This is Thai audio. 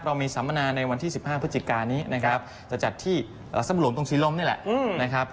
เรามีสัมพนาในวันที่๑๕พฤศจิกาจะจัดที่สมรวมตรงศรีลมนี่แหละ